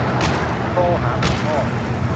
โทรหาคุณพ่อ